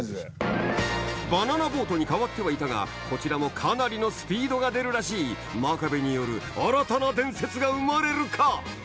バナナボートに変わってはいたがこちらもかなりのスピードが出るらしい真壁による新たな伝説が生まれるか？